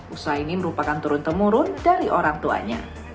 usaha ini merupakan turun temurun dari orang tuanya